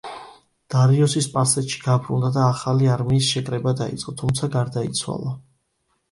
დარიოსი სპარსეთში გაბრუნდა და ახალი არმიის შეკრება დაიწყო, თუმცა გარდაიცვალა.